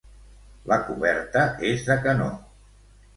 La coberta és de canó.